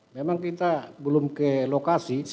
memang kita belum ke lokasi